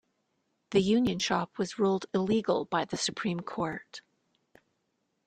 The union shop was ruled illegal by the Supreme Court.